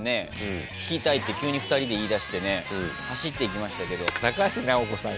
聞きたいって急に２人で言いだしてね走っていきましたけど高橋尚子さん